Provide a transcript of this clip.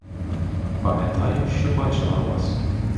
Пам'ятаю, що бачила вас.